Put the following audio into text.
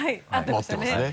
合ってますね。